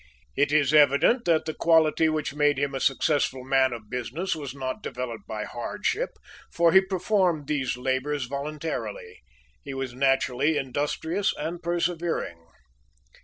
It is evident that the quality which made him a successful man of business was not developed by hardship, for he performed these labors voluntarily. He was naturally industrious and persevering.